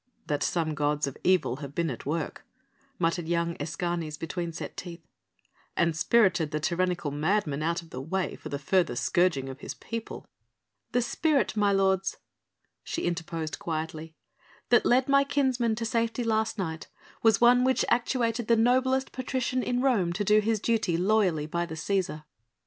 "That some gods of evil have been at work," muttered young Escanes between set teeth, "and spirited the tyrannical madman out of the way for the further scourging of his people." "The spirit, my lords," she interposed quietly, "that led my kinsman to safety last night was one which actuated the noblest patrician in Rome to do his duty loyally by the Cæsar."